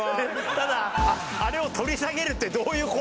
ただあれを取り下げるってどういう行動だよ？